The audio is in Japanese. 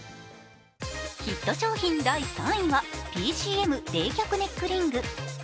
ヒット商品、第３位はＰＣＭ冷却ネックリング。